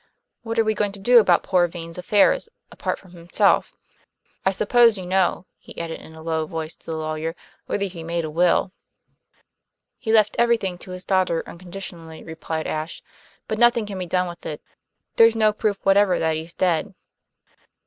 What are we going to do about poor Vane's affairs, apart from himself? I suppose you know," he added, in a low voice to the lawyer, "whether he made a will?" "He left everything to his daughter unconditionally," replied Ashe. "But nothing can be done with it. There's no proof whatever that he's dead."